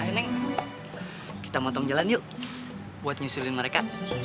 ayo neng kita motong jalan yuk buat nyusulin mereka